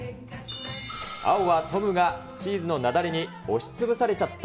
青はトムがチーズの雪崩に押しつぶされちゃった！